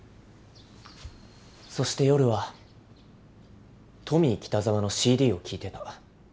そして夜はトミー北沢のＣＤを聴いてた。